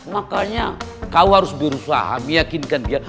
makanya kau harus berusaha meyakinkan dia